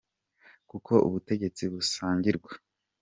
Kuko ubutegetsi busangirwa.